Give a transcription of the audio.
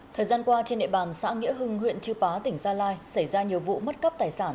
thời gian qua trên địa bàn xã nghĩa hưng huyện chư pá tỉnh gia lai xảy ra nhiều vụ mất cắp tài sản